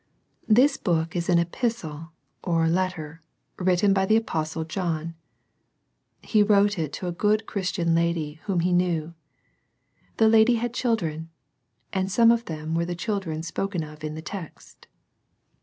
This book is an Epistle, or Letter, written by the Apostle John. He wrote it to a good Christian lady, whom he knew. This lady had children, and some of them were the children spoken of in the text.